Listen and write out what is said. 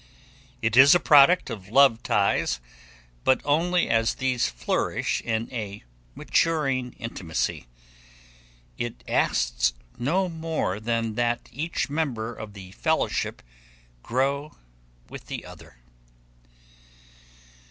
It is a product of love ties, but only as these flourish in a maturing intimacy. It asks no more than that each member of the fellowship grow with the other.